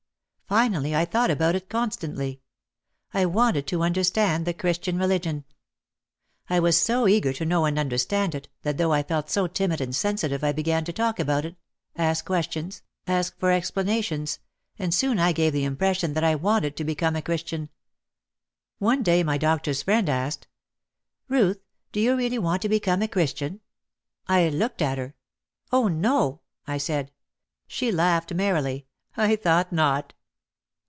Finally I thought about it constantly. I wanted to understand the Christian religion. I was so eager to know and understand it, that though I felt so timid and sensitive I began to talk about it, ask questions, ask for explanations and soon I gave the impression that I wanted to become a Christian. One day my doctor's friend asked, "Ruth, do you really want to become a Christian ?" I looked at her. "Oh, no!" I said. She laughed merrily. "I thought not."